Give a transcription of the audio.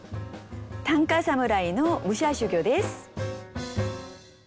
短歌侍の武者修行です。